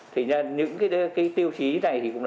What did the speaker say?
thì những tiêu chí này cũng là